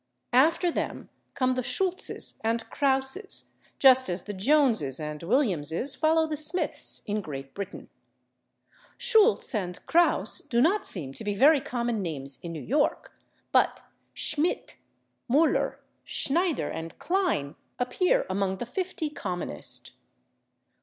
After them come the /Schultzes/ and /Krauses/, just as the /Joneses/ and /Williamses/ follow the /Smiths/ in Great Britain. /Schultze/ and /Kraus/ do not seem to be very common names in New York, but /Schmidt/, /Muller/, /Schneider/ and /Klein/ appear among the fifty commonest.